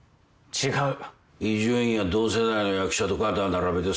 違う！